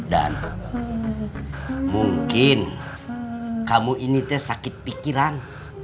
dan mungkin kamu ini teh sakit pikiran